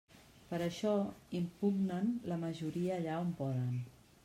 Per això impugnen la majoria allà on poden.